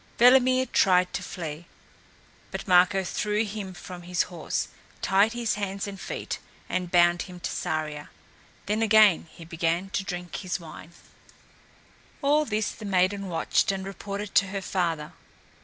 Velimir tried to flee, but Marko threw him from his horse, tied his hands and feet and bound him to Saria. Then again he began to drink his wine. All this the maiden watched and reported to her father.